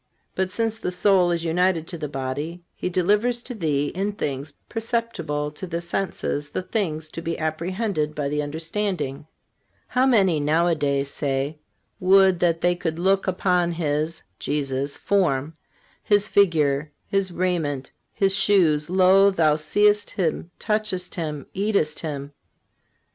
But since the soul is united to the body, He delivers to thee in things perceptible to the senses the things to be apprehended by the understanding. How many nowadays say: 'Would that they could look upon His (Jesus') form, His figure, His raiment, His shoes. Lo! thou seest Him, touchest Him, eatest Him.